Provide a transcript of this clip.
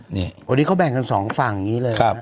นี่วันนี้เขาแบ่งกันสองฝั่งอย่างนี้เลย